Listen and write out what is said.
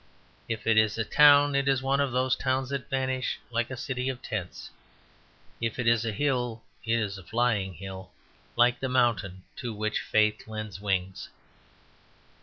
If it is a town, it is one of those towns that vanish, like a city of tents. If it is a hill, it is a flying hill, like the mountain to which faith lends wings.